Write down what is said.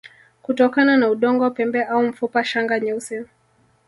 kutokana na udongo pembe au mfupa Shanga nyeusi